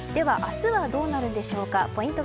では、明日はどうなるんでしょうか。